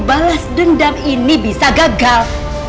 balas dendam ini bisa gagal